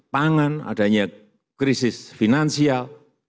pangan adanya krisis finansial